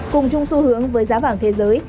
cùng chung xu hướng với giá vàng thế giới